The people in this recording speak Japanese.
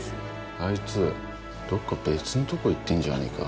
あいつどっか別んとこ行ってんじゃねえか？